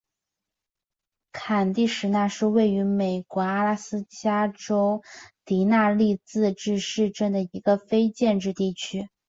坎蒂什纳是位于美国阿拉斯加州迪纳利自治市镇的一个非建制地区。